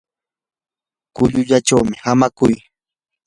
kullullachaw hamakuy.